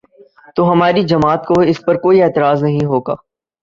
تو ہماری جماعت کو اس پر کوئی اعتراض نہیں ہو گا۔